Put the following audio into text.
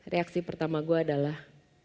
reaksi pertama gue adalah